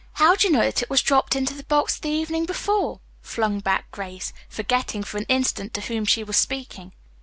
"How do you know that it was dropped into the box the evening before?" flung back Grace, forgetting for an instant to whom she was speaking.